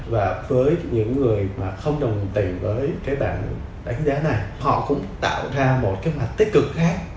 và với những người mà không đồng tình với cái bảng đánh giá này họ cũng tạo ra một cái mặt tích cực khác